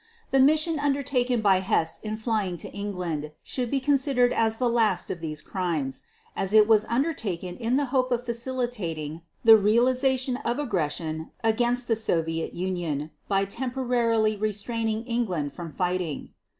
The mission undertaken by Hess in flying to England should be considered as the last of these crimes, as it was undertaken in the hope of facilitating the realization of aggression against the Soviet Union by temporarily restraining England from fighting.